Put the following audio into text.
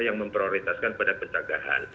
yang memprioritaskan pada penjagaan